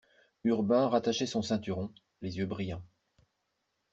Urbain rattachait son ceinturon, les yeux brillants.